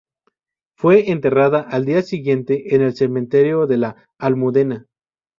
Fue enterrada al día siguiente en el Cementerio de La Almudena.